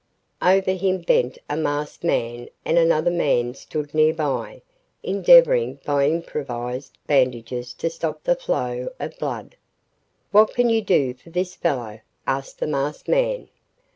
Over him bent a masked man and another man stood nearby, endeavoring by improvised bandages to stop the flow of blood. "What can you do for this fellow?" asked the masked man.